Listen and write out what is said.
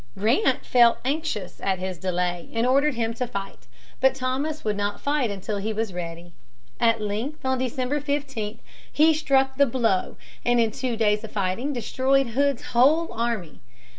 Grant felt anxious at his delay and ordered him to fight. But Thomas would not fight until he was ready. At length, on December 15, he struck the blow, and in two days of fighting destroyed Hood's whole army.